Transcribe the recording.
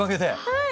はい。